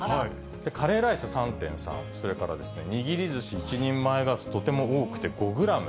カレーライス３．３、それから、握りずし１人前がとても多くて５グラム。